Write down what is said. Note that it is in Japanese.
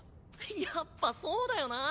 やっぱそうだよな！